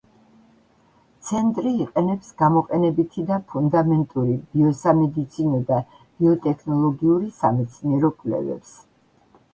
ცენტრი იყენებს გამოყენებითი და ფუნდამენტური ბიოსამედიცინო და ბიოტექნოლოგიური სამეცნიერო კვლევებს.